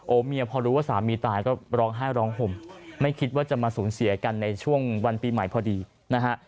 เมียพอรู้ว่าสามีตายก็ร้องไห้ร้องห่มไม่คิดว่าจะมาสูญเสียกันในช่วงวันปีใหม่พอดีนะฮะ